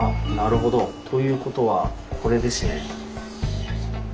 ということはこれですね。